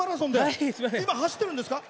今、走ってるんですか？